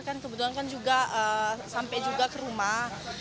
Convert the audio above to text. kan kebetulan kan juga sampai juga ke rumah